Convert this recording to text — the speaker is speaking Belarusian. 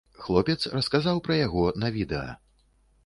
Хлопец расказаў пра яго на відэа.